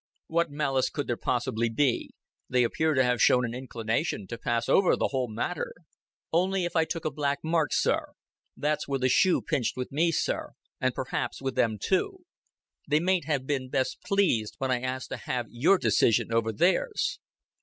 "What malice could there possibly be? They appear to have shown an inclination to pass over the whole matter." "Only if I took a black mark, sir. That's where the shoe pinched with me, sir and perhaps with them too. They mayn't have been best pleased when I asked to have your decision over theirs."